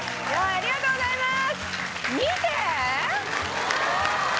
ありがとうございます。